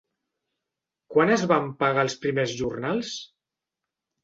Quan es van pagar els primers jornals?